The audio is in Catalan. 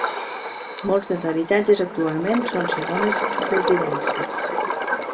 Molts dels habitatges actualment són segones residències.